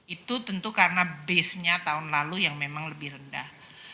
itu tentu karena base nya tahun lalu yang memang lebih rendah